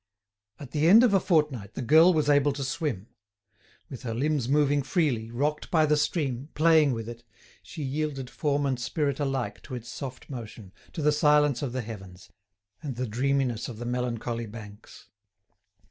At the end of a fortnight, the girl was able to swim. With her limbs moving freely, rocked by the stream, playing with it, she yielded form and spirit alike to its soft motion, to the silence of the heavens, and the dreaminess of the melancholy banks.